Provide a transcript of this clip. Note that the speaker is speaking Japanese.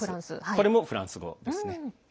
これもフランス語ですね。